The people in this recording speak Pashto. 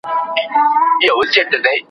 پر مځکي باندي د لمر وړانګي پرېوتلې.